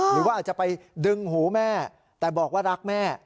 หรือว่าอาจจะไปดึงหูแม่แต่บอกว่ารักแม่